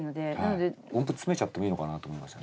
音符詰めちゃってもいいのかなと思いました。